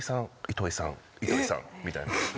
糸井さん糸井さんみたいな。